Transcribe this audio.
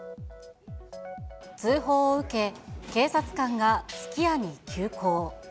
通報を受け、警察官がすき家に急行。